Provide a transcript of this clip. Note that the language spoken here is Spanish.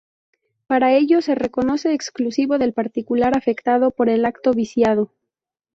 Para ello, se reconoce exclusivo del particular afectado por el acto viciado.